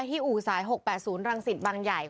อู่สาย๖๘๐รังสิตบางใหญ่